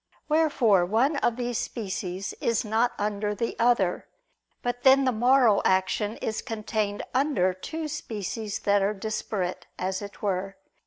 Wherefore one of these species is not under the other; but then the moral action is contained under two species that are disparate, as it were.